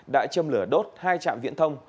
đã châm lửa đốt hai trạm viễn thông